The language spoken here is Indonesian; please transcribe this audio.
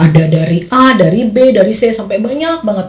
ada dari a dari b dari c sampai banyak banget